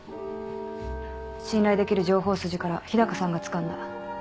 信頼できる情報筋から日高さんがつかんだ。